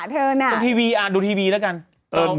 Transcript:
เป็นทีวีอ่าดูทีวีละกัน